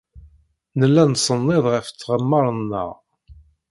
Nella nettsennid ɣef tɣemmar-nneɣ.